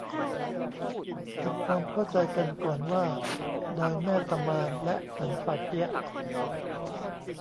ทำความเข้าใจกันก่อนว่า ดอยแม่ตะมาน และ สันป่าเกี๊ยะ